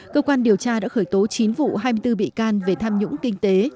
cơ quan điều tra đã khởi tố chín vụ hai mươi bốn bị can về tham nhũng kinh tế